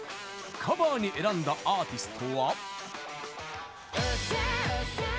カバーに選んだアーティストは。